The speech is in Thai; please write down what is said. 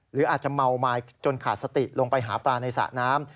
หรืออาจจะเมามาจนขาดสติลงไปหาปลาในสระน้ำ